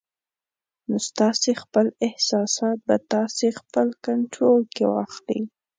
نو ستاسې خپل احساسات به تاسې خپل کنټرول کې واخلي